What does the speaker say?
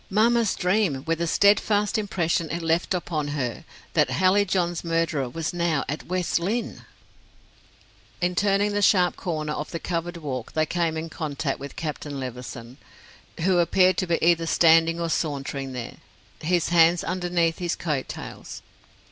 "Mamma's dream, with the steadfast impression it left upon her that Hallijohn's murderer was now at West Lynne " In turning the sharp corner of the covered walk they came in contact with Captain Levison, who appeared to be either standing or sauntering there, his hands underneath his coat tails.